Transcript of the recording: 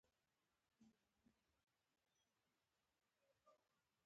پنېر د شیدو خوراکي قوت لري.